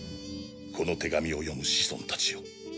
この手紙を読む子孫たちよ。